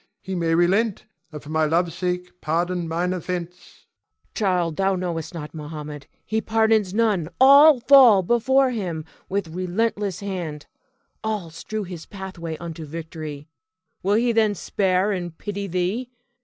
He may relent, and for my love's sake, pardon mine offence. Cleon. Child, thou knowest not Mohammed. He pardons none; all fall before him, with relentless hand, all strew his pathway unto victory. Will he then spare and pity thee?